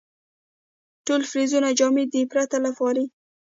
ټول فلزونه جامد دي پرته له پارې.